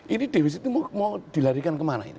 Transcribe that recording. ini defisitnya mau dilarikan kemana ini